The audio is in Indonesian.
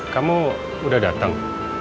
kamu udah dateng